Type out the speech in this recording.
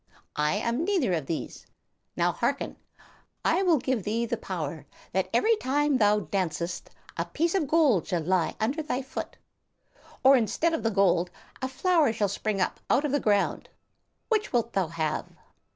I am neither of these. Now, hearken. I will give thee the power that every time thou dancest a piece of gold shall lie under thy foot or, instead of the gold, a flower shall spring up out of the ground; which wilt thou have?"